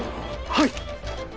はい。